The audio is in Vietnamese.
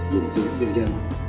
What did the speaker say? quân chủ dân dân